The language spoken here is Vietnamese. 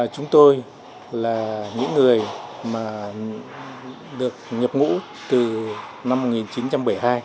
chúng tôi là những người mà được nhập ngũ từ năm một nghìn chín trăm bảy mươi hai